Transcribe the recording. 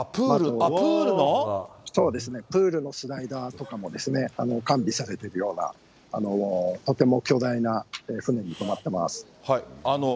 そうですね、プールのスライダーとかもですね、完備されてるような、とても巨大な船に泊まってます。